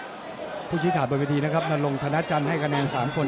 ครับผู้ชิดฐานบนวิธีนะครับนรงธนาจันทร์ให้กระแนน๓คน